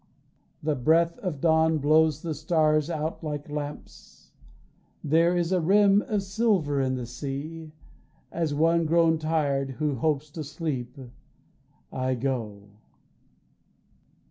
The breath of dawn blows the stars out like lamps, There is a rim of silver on the sea, As one grown tired who hopes to sleep, I go.